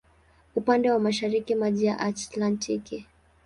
Upande wa mashariki maji ya Atlantiki.